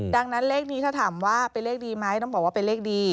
ดังนั้นเลขนี้ถ้าถามว่าเป็นเลขดีไหมต้องบอกว่าเป็นเลขดี